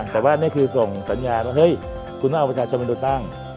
แต่ว่านี่คือส่งสัญญาณว่าเฮ้ยคุณต้องเอาประชาชนมาดูตั้ง